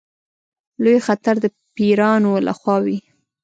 لوی خطر د پیرانو له خوا وي.